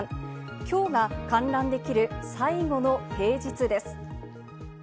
今日が観覧できる最後の平日です。